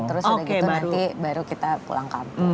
terus udah gitu nanti baru kita pulang kampung